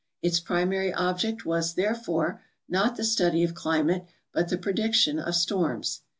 Its primary object was, therefore, not the study of climate, but the prediction of storms.